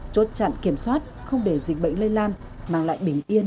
chốt chặn kiểm soát không để dịch bệnh lây lan mang lại bình yên cho nhân dân